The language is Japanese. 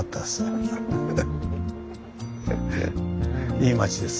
いい町です。